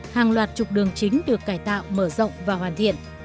hàng loạt trục đường chính được cải tạo mở rộng và hoàn thiện